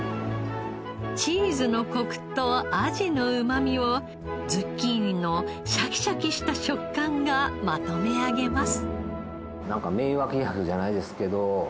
チーズのコクとアジのうまみをズッキーニのシャキシャキした食感がまとめ上げます。